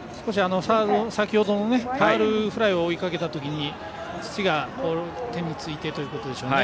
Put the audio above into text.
先ほどのファウルフライを追いかけた時に土が手についてということでしょうね。